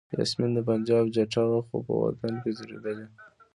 یاسمین د پنجاب جټه وه خو په وطن کې زیږېدلې.